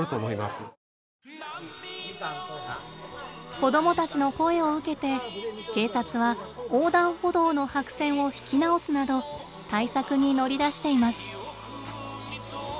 子どもたちの声を受けて警察は横断歩道の白線を引き直すなど対策に乗り出しています。